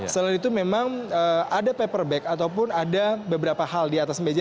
selain itu memang ada paper bag ataupun ada beberapa hal di atas meja